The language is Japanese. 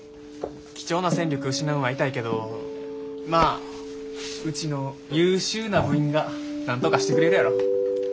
貴重な戦力失うんは痛いけどまあうちの優秀な部員がなんとかしてくれるやろ。